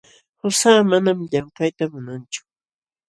Qusaa manam llamkayta munanchu.